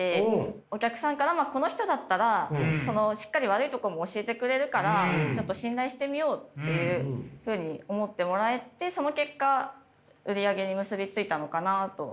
お客さんからはこの人だったらしっかり悪いとこも教えてくれるからちょっと信頼してみようっていうふうに思ってもらえてその結果売り上げに結び付いたのかなと。